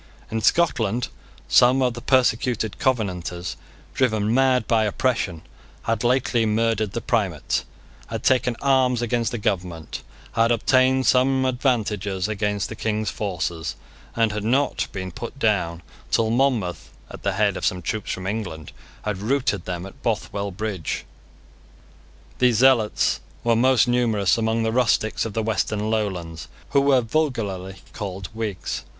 In Scotland some of the persecuted Covenanters, driven mad by oppression, had lately murdered the Primate, had taken arms against the government, had obtained some advantages against the King's forces, and had not been put down till Monmouth, at the head of some troops from England, had routed them at Bothwell Bridge. These zealots were most numerous among the rustics of the western lowlands, who were vulgarly called Whigs.